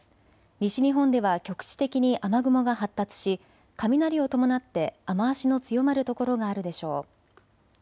西日本では局地的に雨雲が発達し雷を伴って雨足の強まる所があるでしょう。